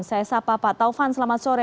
saya sapa pak taufan selamat sore